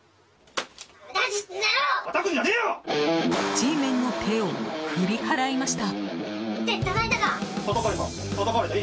Ｇメンの手を振り払いました。